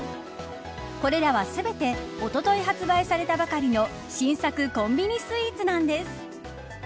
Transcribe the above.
これらは全て、おととい発売されたばかりの新作コンビニスイーツなんです。